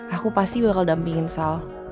aku pasti bakal dampingin sal